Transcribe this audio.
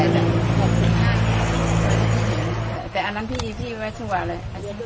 แต่อันนั้นพี่พี่ไม่ว่าชัวร์เลย